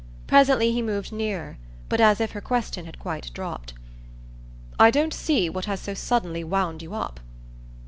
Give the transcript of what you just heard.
Presently he moved nearer, but as if her question had quite dropped. "I don't see what has so suddenly wound you up."